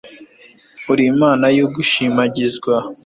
uri imana y'ugushimagizwa